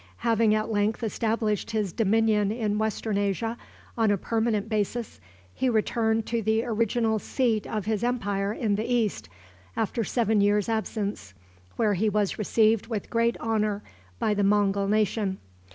Having at length established his dominion in Western Asia on a permanent basis, he returned to the original seat of his empire in the East, after seven years' absence, where he was received with great honor by the Mongul nation.